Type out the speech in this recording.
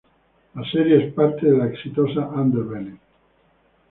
La serie es parte de la exitosa Underbelly.